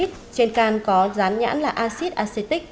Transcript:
trên can có dán nhãn là acid acetic